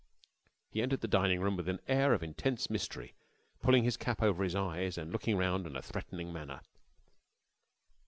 He entered the dining room with an air of intense mystery, pulling his cap over his eyes, and looking round in a threatening manner.